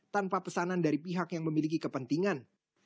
tanpa pesanan dari pihak yang memiliki kepentingan